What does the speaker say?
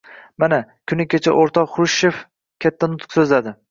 Mana, kuni kecha o‘rtoq Xrushchev katta nutq so‘zladi.